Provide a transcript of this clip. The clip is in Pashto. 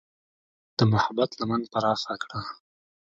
د محبت لمن پراخه کړه.